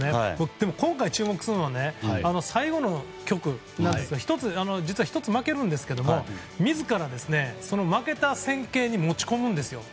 でも今回注目するのは最後の局ですが実は、１つ負けるんですが自ら、その負けた戦型に持ち込むんですよ。